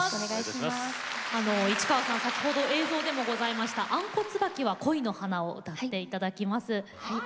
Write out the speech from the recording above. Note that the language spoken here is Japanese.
市川さん、先ほど映像でもありました「アンコ椿は恋の花」を歌っていただきます。